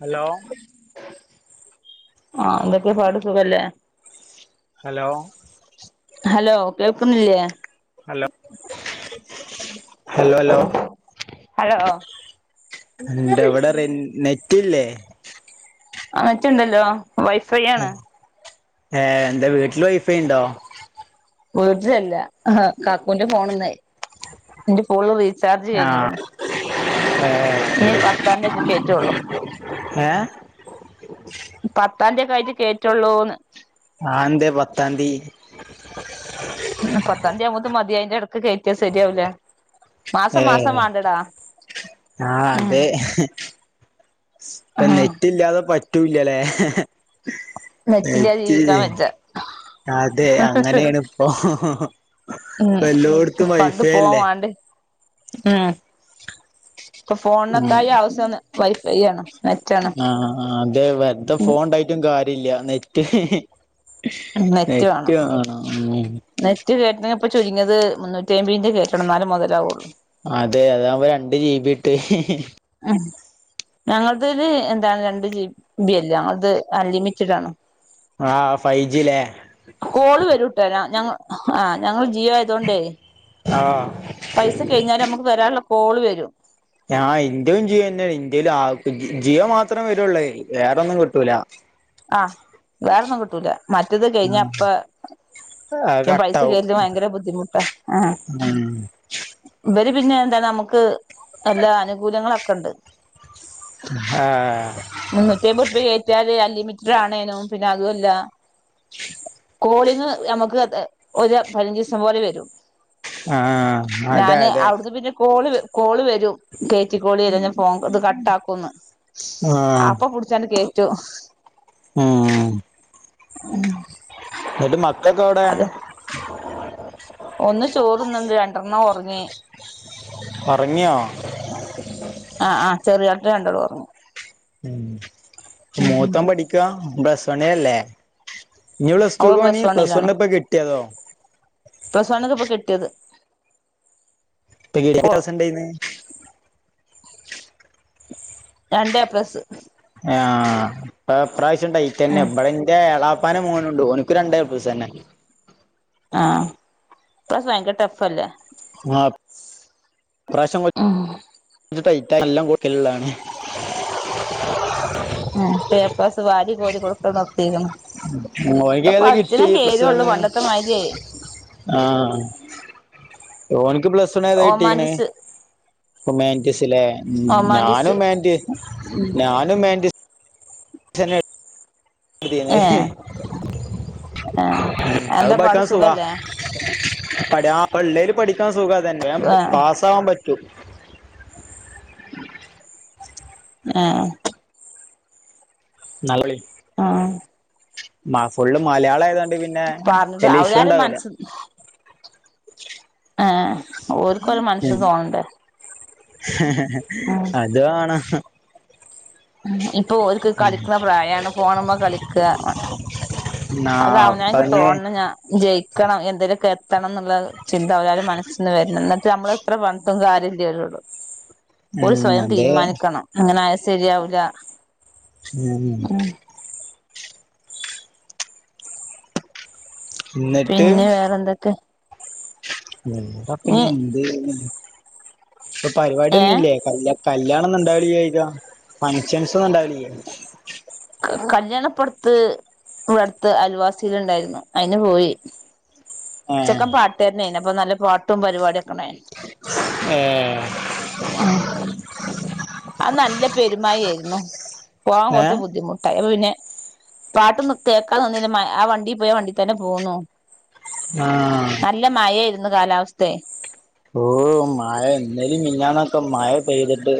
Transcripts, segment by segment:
Hello ആഹ എന്തൊക്കെ പാട് സുഖല്ലേ? ഹലോ ഹലോ കേൾക്കുന്നില്ലേ? ഹലോ ഹലോ ഹലോ ഹലോ ണ്ടോ അവിടെ റെയ് നെറ്റില്ലേ? ആ നെറ്റുണ്ടല്ലോ, വൈഫൈ ആണ്. ഏ എന്താ വീട്ടിൽ വൈഫൈണ്ടോ? ഫോർജിയല്ല ആ കാക്കുന്റെ ഫോണ്ന്നയ് എന്റെ ഫോണിൽ റീചാർജ് ആഹ് കഴിഞ്ഞ്ക്ണ്. ഏ ഇഞ്ഞ് പത്താന്തിയെ ഇത് കേറ്റുള്ളൂ. ഏ പത്താംന്തിയൊക്കെ ആയിട്ട് കേറ്റുള്ളൂന്ന്. ആ എന്തേ പത്താംന്തി? ഉ പത്താംന്തി ആവുമ്പോത്തി മതി അയിന്റെ ഇടക്ക് കേറ്റിയാ ശരിയാവൂലാ. മാസം മാസം വാണ്ടടാ. ആഹ ഉം അതെ. ഇപ്പം ആഹ് നെറ്റ് ഇല്ലാതെ പറ്റൂല്ലലെ? നെറ്റില്ലാതെ നെറ്റ് ജീവിക്കാൻ ഇല്ലയ്. വെജ്ജ അതെ അങ്ങനെയാണ്- ഓ ഉം ഇപ്പൊ എല്ലോട്ത്തും പണ്ട് വൈഫൈ ഫോൺ അല്ലേ? വാണ്ടേ ഉം. ഇപ്പൊ ഫോണിനൊക്കായി ആവശ്യംന്ന് വൈഫൈ ആണ്, നെറ്റ് ആണ്. കാര്യ ഇല്ല നെറ്റ്, നെറ്റ് വാണം ഉം നെറ്റ് കേറ്റണ ഇപ്പോ ചുരുങ്ങിയത് മുന്നൂറ്റി അയ്ബേന്റെ കേറ്റണം, എന്നാലേ മുതലാവുള്ളൂ. അതെ അതാകുമ്പോ രണ്ട് ജീബി കിട്ടും ഉ ഞങ്ങൾതയില് എന്താണ് രണ്ട് ജി ബി അല്ല, ഞങ്ങൾത് അൺലിമിറ്റഡ് ആണ്. ആഹ ഫൈവ് ജിലെ? കോള് വരുംട്ടാരാ ഞങ്ങള് ആ ഞങ്ങള് ജിയോ ആയതോണ്ടേ. ആഹ് പൈസ കഴിഞ്ഞാലും നമുക്ക് വരാനുള്ള കോള് വരും. ആ ഇന്റെവും ജിയോ തന്നെയാണേ ഇന്റെൽ ആ ജിയോ മാത്രേ വരുള്ളേ വേറെ ഒന്നും കിട്ടൂല. അ [inaudible] ആഹ വേറെൊന്നും കിട്ടൂല. മറ്റത് കഴിഞ്ഞ അപ്പ അത് ഞാൻ പൈസ കട്ടാവും കേറ്റൽ ഭയങ്കര ബുദ്ധിമുട്ടാ ആ. ഉം ഇവര് പിന്നെ എന്താ നമുക്ക് നല്ല അനുകൂല്യങ്ങളൊക്കെ ഉണ്ട്. ഹാ മുന്നൂറ്റി അയ്മ്പത് ഉർപ്യാ കേറ്റിയാല് അൺലിമിറ്റഡ് ആണേനും പിന്നെ അതും അല്ല - കോളിങ്ങ് നമുക്ക് ഒരു പതിനഞ്ച് ദിവസം പോലെ വരും. ആഹ് അതെ ഞാന് അതെ അവിടുന്ന് പിന്നെ കോള്- കോള് വരും കയറ്റികോളീ അല്ലാഞ്ഞ ഫോ ഇത് കട്ടാക്കുംന്ന്, ആഹ് അപ്പൊ പുട് ചാനെ കേറ്റു ഉം ഉം എന്നിട്ട് മക്കക്കെ എവിടെ ഒന്ന് ചോറുന്നണ്ട് രണ്ടെണ്ണം ഒറങ്ങി ഒറങ്ങ്യോ? ആഹ് ആഹ് ചെറിയആട്ട രണ്ടാളും ഒറങ്ങും മം മൂത്തൊൻ പഠിക്കുവാ പ്ലസ് വണിൽ അല്ലെ ഇനി പ്ലസ് ടു അവള് പോണേ പ്ലസ് വൺ വണ്ണിലാണ് ഇപ്പ കിട്ടിയതോ പ്ലസ് വൺ ക്ക് ഇപ്പോ കിട്ടിയത് ഓ ഇപ്പിട ഉണ്ടന്ന് [unintelligible] രണ്ട് എ പ്ലസ് ആഹ് ഇ ഇപ്രാവശ്യം ടൈറ്റ് തന്നെ ആഹ് ഇവിടെ എന്റെ എള പ്പാന്റെ മോനുണ്ട് ഓനിക്ക് രണ്ട് എ പ്ലസ് തന്നെ ആഹ് ഇപ്പ ഭയങ്ക ടഫ് അല്ലെ ആ ഇപ്രാശ്യം കൊ [unintelligible] ഇത് ടൈറ്റായി നല്ലം കൊടുക്കലുള്ളാണ്. ഹ ഇപ്പ എ പ്ലസ് വാരി കോരികൊടുക്ക നിർത്തിയെക്കണു ഓനിക്ക് ഇപ്പൊ ഏതാ പഠിച്ചിന കിട്ടി പ്ലസ് വൺ കേരുള്ളൂ പണ്ടത്തെ മാതിരി യായി ആഹ് ഓനിക്ക് പ്ലസ് വൺ ഏത കിട്ടിയേക്കണ് ഓമാൻറിസ് ഹ്യുമാനിറ്റീസ് ല്ലേ മം ഞാനും ഓമാൻറിസ് ഹ്യൂമാന്റി ഞാനും ഹ്യുമാനിറ്റീസ് തന്നെ [unintelligible] ഏഹ് ആഹ് അത് എന്താ പാട് പഠിക്കാൻ സുഖ സുഖല്ലേ ഇപ്പെ ഇളേൽ പഠിക്കാൻ സുഖ അതന്നെ ആഹ് വേഗംപാസ്സാവാൻ പറ്റൂ ആഹ് നല്ലളി ആഹ് മ ഫുള്ള് മലയാളായതോണ്ട് പിന്നെ പറഞ്ഞിട്ട് വല്ല്യ ഇഷ്യൂ അവരാരും ഇണ്ടാവൂല. മനസ്സ് ആഹ് മം ഓര്ക്കൊരു ഹെ മനസ്സ് തോന്നണ്ടേ ഹെ ഉം ഇത് ആണ് ഹ ഇപ്പൊ ഒരുക്ക് കളിക്കുന്ന പ്രായാണ് ഫോണുമ്മേ കളിക്കാ ആ അത് അവൻ അവനിക്ക് അപ്പഞ്ഞ് തോന്നണം ഞാൻ ജയിക്കണം എന്തേലുക്കെ എത്തണം എന്നുള്ള ചിന്ത അവരവരെ മനസ്സി നിന്ന് വരണം എന്നിട്ട് നമ്മള് ഇത്ര പറഞ്ഞിട്ടും കാര്യല്ലവരോട് ഓര് ഉം സ്വയം അതെ തീരുമാനിക്കണം അങ്ങനായ സെരിയാവുല്ല ഉം എന്നിട്ട് പിന്നെ വേറെന്തൊക്കെ ഉം ഇപ്പ നീ പിന്ന ന്തേനി ഇപ്പ ഏഹ് പരിപാടിയൊന്നുംല്ലേ കല്ല കല്യാണൊന്നുണ്ടാവലില്ലേ ചോയ്ക്ക. ഫങ്ക്ഷന്സൊന്നും ഇണ്ടാവലില്ലേ? കല്യാണപ്പടത്ത് ഇവിടെടുത്ത് അൽവാസിടെണ്ടായിരുന്നു അയിന് പോയി ഏഹ് ചെക്കൻ പാട്ട് കാരനായിരുന്നു അപ്പൊ നല്ല പാട്ടും പരിപാടിയൊക്കെണ്ടായിന് ഏഹ് ആ അന്ന് നല്ല പെരുമയയിരുന്നു പോവാൻ ഏഹ് കുറച് ബുദ്ധിമുട്ടായി അപ്പൊ പിന്നെ പാട്ട് ഒന്നും കേക്കാൻ നിന്നില്ല ആ വണ്ടി പോയ ആ വണ്ടി തന്നെ പോന്നു ആഹ് നല്ല മഴയിരുന്നു കാലാവസ്ഥെ ഓ മഴ ഇന്നേലിം മിനിഞ്ഞാന്നോക്കെ മഴ പെയ്തിട്ട്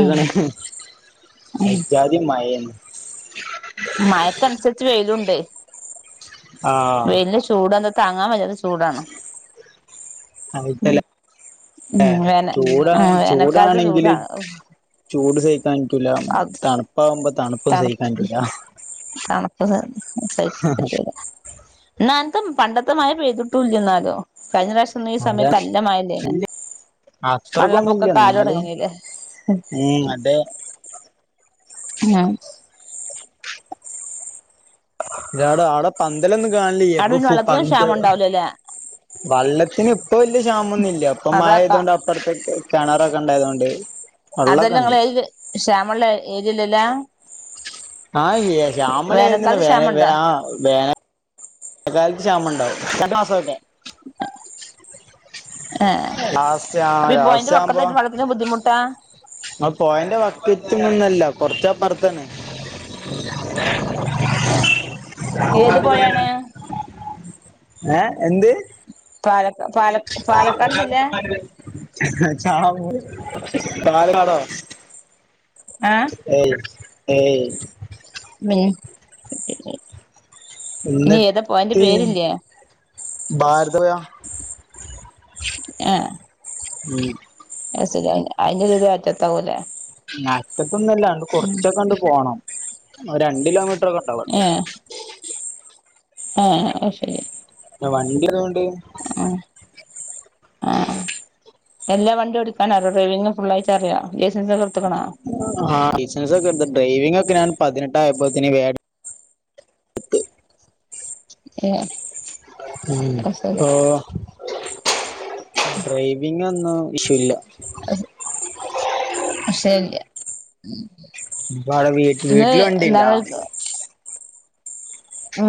ആഹ് ആഹ് എജ്ജാതി മഴ ഏന്നു മഴക്കനുസരിച്ച് വെയിലുണ്ട് ആഹ് വെയിലന് ചൂട് എന്താ താങ്ങാൻ വെയ്യാത്ത ചൂ ചൂടാണ് ഉം അവ്ട്ത്തല്ല ഉം ഏഹ് വേന ചൂടാ ഉം വേനൽക്കാലത്ത് ചൂടാണെങ്കിൽ ചൂടാണ് ചൂട് സ [unintelligible] പറ്റൂല അത് തണുപ്പാകുമ്പോ തണുപ്പും സഹിക്കാൻ തണുപ്പ് പറ്റുല്ല തണുപ്പ് സ സഹിക്കാൻ പറ്റില ന്നാനത്തെ പണ്ടത്തെ മഴ പെയ്തിട്ടുംല്ല്യ ന്നാലും കഴിഞ്ഞ പ്രാവശ ഈ അതാ സമയത്ത് നല്ല മഴല്ലേയിരുന്ന വള്ളപ്പൊക്കൊക്കെആകെ തൊടങ്ങീന്നില്ലേ ഇമ് അതെ ഇമ് യാടെ ആടെ പന്തലൊന്നും കാണ്ലില്ല അവിടെ പ്പൊ പിന്നെ ഫു വെള്ളത്തിനും പന്ത് ക്ഷാമം ഉണ്ടാവൂലല്ലേ വള്ളത്തിന് ഇപ്പൊ വല്യ ക്ഷാമൊന്നും ഇല്ല ഇപ്പം അതാക്കാ മഴയ്തോണ്ട് അപ്പറത്ത് കിണറൊക്കെണ്ടായതോണ്ട് അതെല്ലാ നിങ്ങള ഏരിയൽ ക്ഷാമള്ള ഏരിയല്ലല്ലാ ആഹ് ഇ ക്ഷാമള്ള ഏരിയന്നെ വേനൽക്കാലത്ത് വേന വേ ക്ഷാമണ്ടോ ആ വേന കാലത്ത് ക്ഷാമണ്ടാവും രണ്ടു മസാവൂലെ ഏഹ് ലാസ്റ്റ് ആ ലാസ്റ്റാവുമ്പോ ഇത്രേം ബുദ്ധിമുട്ടാ ആ ങ്ങള് പോയന്റെ വക്കത്തൊന്നും അല്ലാ കൊറച്ചാ അപ്പർത്താണ് ഏ ഏത് പൊഴേ യാണ് ഏഹ് എന്ത് പാല ക്കപാ ചാണ കോ ചാവ നാടോ ഏ ഏ ഏയ് ഏ എന്നിട്ട് ഏതാപ്യൻ്റെ പേരില്ലേ ഭാരതപൊയ ആഹ് ഉം അയ് ശെരി അയി അയിൻ്റെഒ രു അറ്റത്താവൂലേ നാട്ട് ക്കൊന്നു ല്ല ആണ്ട് കൊറച്ചൊക്കെ ആണ്ട് പോണം രണ്ട് കിലോമീറ്ററൊക്കെ ഏഹ് ആഹ് അയ് ശെരി വണ്ടിള്ളോണ്ട് ഏ ആഹ് എല്ലാ വണ്ടിം ഓടിക്കാൻ അറിയോ ഡ്രൈവിങ് ഫുള്ളായിട്ട് അറിയോ ലൈൻസെൻസൊക്കെ ത്തക്ക് ണാ ആഹ് ലൈസൻസ്സൊക്കെടുത്ത് ഡ്രൈവിംഗൊക്കെ ഞാൻ പതിനെട്ട് ആയപ്പോത്തിന് വേ ഏഹ് ഉം അത് ശരി ആഹ് ഡ്രൈവിംഗൊന്നും വിഷ്വോല്ല അയ് സ ശരിയാ ഇപ്പ ആടെ വീ വീട്ടില് വണ്ടിണ്ടാ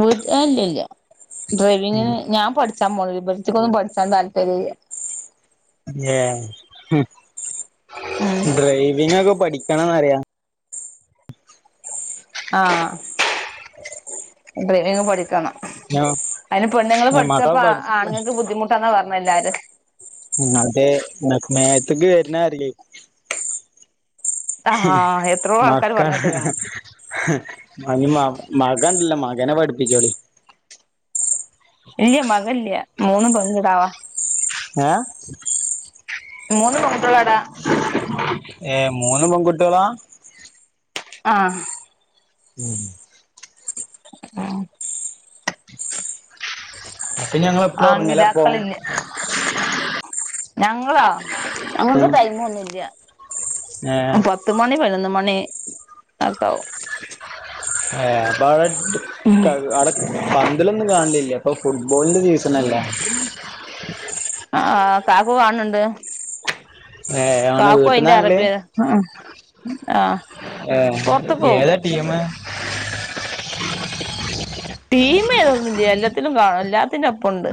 വീ ഏയ് ഇല്ല ല്ല്യ ഡ്രൈവിംഗിന് ഞാൻ പഠി [unintelligible] പഠിച്ചാൻ താല്പര്യല് മില്ല ഏഹ് ഹും ഡ്രൈവിംഗൊക്കെ പഠിക്കണംന്ന്റിയാ ആഹ് ഡ്രൈവിങ് പഠിക്കണം ഞാൻ അയ്ന് പെണ്ണ്ങ്ങള് മക്കളെ പഠിച്ചാപ്പാ പഠി ആണ്ങ്ങക്ക് ബുദ്ധിമുട്ടാ [unintelligible] പറഞ്ഞെ എല്ലാരും. ഉം അതേ മേ മേത്ത്ക്ക് വര്ന്നെ അറ്യാ. ആഹ് എത്രയോ ആൾക്കാര് മക്ക പറഞ്ഞ് കേട്ട്ക്ക്ണ് ഇനി മക മകൻല്ലേ മകനെ പഠിപ്പിച്ചോളി. ഇല്ല മകല്ല്യ മൂന്നു പെൺ കിടാവാ. ഏ. മൂന്ന് പെൺകുട്ട്യേളാടാ. ഏ മൂന്ന് പെൺകുട്ട്യാളാ. ആഹ്. മ്. ആഹ്. അപ്പൊ ഞങ്ങൾ എപ്പളും ഉറങ്ങലപ്പൊ ആങ്കിടാക്കളിഞ്ഞ് ഞങ്ങളൊ ഞങ്ങക്ക് ടൈമൊന്നുല്ല്യ. ഏ പത്തു മണി പയ്നൊന്നു മണി അ ഒക്കാവും. ഏ അപ്പവ്ടെ [unintelligible] പന്തളിന്നും കാണലില്ലേ ഇപ്പൊ ഫുട്ബോൾന്റെ സീസണ്ല്ലേ? ആ കാക്കു കാണ്‌ന്ന്ണ്ട്. ഏ അങ്ങനെ വീട്ട്ന്നാല്ലേ. അറബി ആ പൊറത്ത്ക്ക് ഏ പോവൂല ഏതാ ടീമ്? ടീം ഏതൊന്നും ഇല്ല്യ എല്ലത്തിലും കാണും എല്ലാത്തിന്റിം ഒപ്പണ്ട്.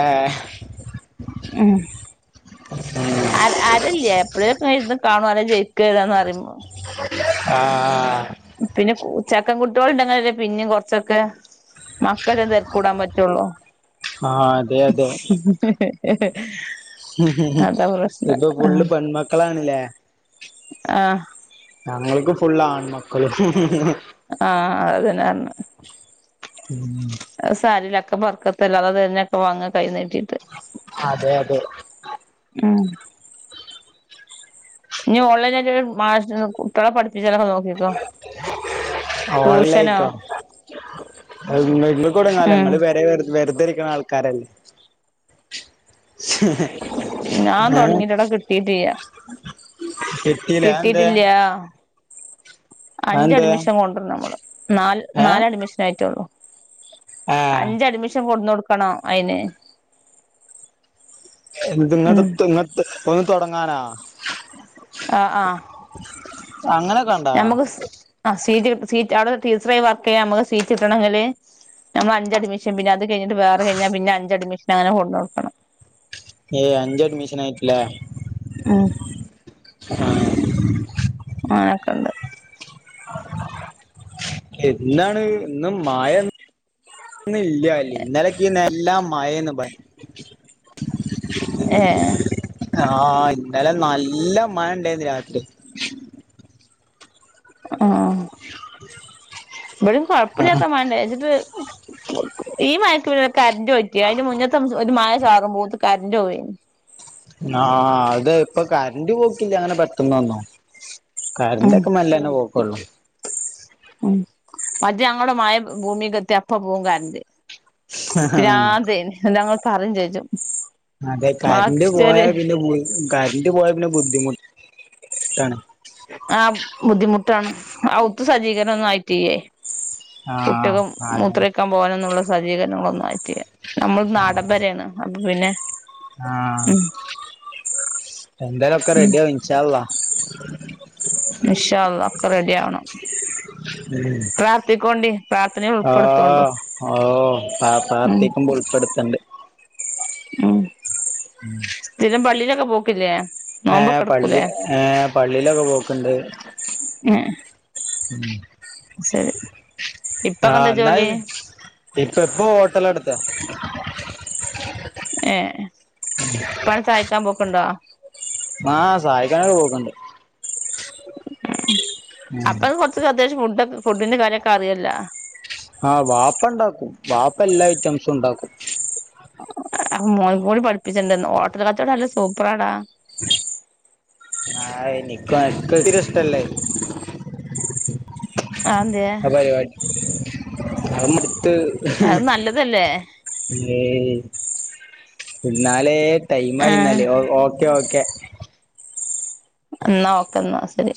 ഏ. മ് ആഹ് ആഹ്. ഇല്ല്യാ എപ്പളേലൊക്കെ ഇര്ന്ന് കാണും ആരാ ജയ്കേതാന്ന് അറിയുമ്പോ. ആഹ്. പിന്നെ ചക്കകുട്ട്യാള്ണ്ടെങ്കി പിന്നും കൊറച്ചൊക്കെ [unintelligible] തെര്ക്കൂടാൻ പറ്റൊള്ളൂ. ആഹ് അതെ അതെ [unintelligible] ഇപ്പൊ ഫുള്ള് പെൺ മക്കളാണല്ലേ? ആ ഞങ്ങൾക്ക് ഫുള്ള് ആൺമക്കള്. ആഹ് അതെന്നെർഞ്ഞെ. ഉം അത് സാരല്ല ഒക്കെ ബർക്കത്തല്ലെ അള്ള തര്നൊക്കെ വാങ്ങാ കൈ നീടീട്ട്. അതെ അതെ. ഉം. ഇനി ഓൺലൈനായിട്ട് മാഷ് കുട്ട്യ ളെ പഠിപ്പിച്ച് ണെ നോക്ക ഇപ്പംട്യൂഷനോ? ഇന്ന്പ്പം [unintelligible] ഉം ഇങ്ങള് പെരെ വെർ വെർതെ ഇരിക്ണ ആൾ [unintelligible] ഞാൻ ഏഹ് തൊടങ്ങിട്ടെടാ കിട്ടീട്ടില്ല കിട്ടിലെ അത് എന്തേ? കിട്ടീട്ടില്ല അഞ്ച് അതെന്തേ അഡ്മിഷൻ കൊടൊര്ന്നം നമ്മള് നാല് ഏഹ് നാല് അഡ്മിഷൻ ആയിട്ടൊള്ളു. ആഹ് അഞ്ച് അഡ്മിഷൻ കൊട്ന്നൊ ട്ക്കണം അയ്ന്. എന്ത് [unintelligible] ഒന്ന് തുടങ്ങാനാ ആഹ് ആ അങ്ങനൊക്കെണ്ടാ നമ്മക്ക് ആ സീറ്റ് സീറ്റ് അവിടെ ടീച്ചയായി വർക്ക് ചെയ്യാൻ നമ്ക്ക് സീറ്റ് കിട്ടണെങ്കില് നമ്മൾ അഞ്ച് അഡ്മിഷൻ പിന്നെ അത് കയ്ഞ്ഞ്ട്ട് വേറെ കയ്ഞ്ഞാ പിന്നെ അഞ്ച് അഡ്മിഷൻ അങ്ങനെ കൊണ്ടോട്ക്കണം. ഏ അഞ്ച് അഡ്മിഷനായിട്ട്ല്ലേ. മ്. അങ്ങനൊക്കെണ്ട്. എന്നാണ് ഇന്ന് മയ ന്നില്ല ഇന്ന ലൊക്കേനി നല്ല മഴേന്ന് ഇബ ഏഹ് ആഹ് ഇന്നലെ നല്ല മഴണ്ടായിന്ന് രാത്രി. ആഹ് ആഹ് ഇവിടം കൊഴപ്പില്ലാത്ത മഴ ണ്ടായി നി എന്നിച്ചിട്ട്. ഈ മഴക്ക് പിന്നെ കറന്റ് പോയിട്ട് അതിന് മുന്നേത്തെ ഒരു മഴ ചാറും പോത്ത് കറന്റ് പോ ആ ഹ് അത് ഇപ്പൊ കറന്റ് പോക്കില്ല അങ്ങനെ പെട്ടന്നൊന്നും. ഉം കറന്റെക്കെ മല്ലന്നെ പോ കൊള്ളൂ. ഉം മറ്റേ ഞങ്ങളോടെ മഴ ഭൂമിക്ക് എത്തി യാ അപ്പ പോവും കറണ്ട്. പ്രാന്തെയ് ഇന്നിട്ട് ഞങ്ങൾ പറയും ചെയ്യും. അതെ കറണ്ട്റ് പോയാൽ പിന്നെ കറന്റ് പോയാൽ പിന്നെ ബുദ്ധിമുട്ടാണ്. ആഹ ബുദ്ധിമുട്ടാണ് ഔത്ത് സജ്ജീകരണം ഒന്നും ആയിട്ടിലേ? ആഹ് കുട്ടിയാക് മുത്ര അതന്നെ ഒഴിക്കാൻ പോകാനൊ ന്നുള്ള. സജ്ജീകരണങ്ങളൊന്നും ആയിട്ടില്ല നമ്മൾ നാടൻ പെരയാണ് അപ്പൊ പിന്നെ. ആഹ ഉം എന്തായാലും ഒക്കെ ഉം റെഡിയാവും ഇൻശാ അള്ളാ. ഇൻഷാ അള്ളാ ഒക്കെ റെഡിയാവണം. ഉം പ്രാർത്ഥിക്കോണ്ടി പ്രാർത്ഥന. ആഹ് ഓഹ്പ ഉം പാർത്തിക്കുമ്പ ഉൾപ്പെടുത്തണ്ട്. ഉം [unintelligible] സ്ഥിരം പള്ളി ലൊക്കെ പോ പിന്നെ ഏഹ്പള്ളി ഏഹ് പള്ളിയിലൊക്കെ പോക്ക്ണ്ട്. ഏ [unintelligible] ശരി ഇപ്പക്കെന്താ ആഹ് എന്നാ ജോലി? ഇപ്പ ഇപ്പ ഹോട്ടല് നടത്താ. ഏഹ് [unintelligible] ഇപ്പാനെ സഹായിക്കാൻ പോക്ക്ണ്ടോ? ആഹ് സഹായിക്കാനൊക്കെ പോകും ഉം അപ്പൊത് കുറച്ച് അത്യാവശം ഫുഡി ഫുഡിന്റെ കാര്യൊക്കെ അറിയല്ലോ? ആഹ് വാപ്പ ഇണ്ടാക്കും വാപ്പ എല്ലാ ഐറ്റംസും ഇണ്ടാക്കും. മോൻ കൂടി പഠിപ്പിച്ചെണ്ട ഹോട്ടൽ കച്ചോടം നല്ല സൂപ്പറാടാ. ഹായ് നിക്കൊ ഒക്കത്തിന്നും ഇഷ്ട ലാ അതെന്തേ ആ പരി വാടി അത് [unintelligible] നല്ലതല്ലേ ഏയ് ഇന്നാലേ ടൈം ആ മായിന്നാല് ഓക്കെ ഓക്കെ. ന്നാ ഓക്കന്നാ ശരി.